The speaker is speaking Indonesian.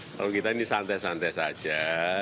kalau kita ini santai santai saja